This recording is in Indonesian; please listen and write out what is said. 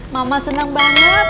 mama seneng banget